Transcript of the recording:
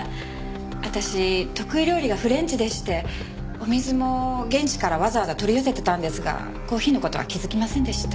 私得意料理がフレンチでしてお水も現地からわざわざ取り寄せてたんですがコーヒーの事は気づきませんでした。